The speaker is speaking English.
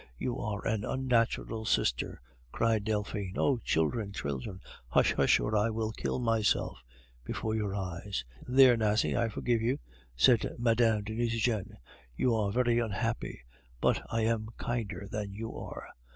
You are an unnatural sister!" cried Delphine. "Oh, children, children! hush! hush! or I will kill myself before your eyes." "There, Nasie, I forgive you," said Mme. de Nucingen; "you are very unhappy. But I am kinder than you are.